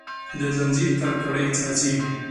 د ځنځیر تر کړۍ څاڅي